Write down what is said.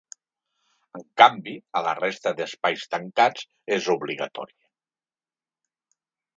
En canvi, a la resta d’espais tancats és obligatòria.